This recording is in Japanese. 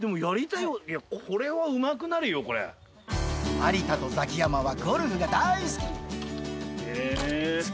有田とザキヤマはゴルフが大好き！